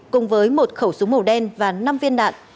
cùng với một khẩu súng màu đen và năm viên đạn